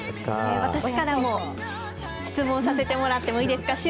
私からも、質問させてもらってもいいですか？